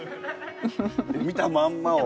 見たまんまを。